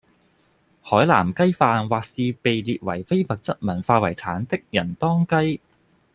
海南雞飯或是被列為非物質文化遺產的仁當雞